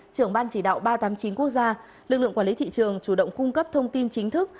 trưởng ban chỉ đạo ba trăm tám mươi chín quốc gia lực lượng quản lý thị trường chủ động cung cấp thông tin chính thức